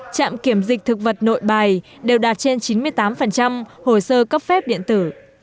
trạm kiểm dịch thực vật nội bài đều đạt trên chín mươi tám hồ sơ cấp phép điện tử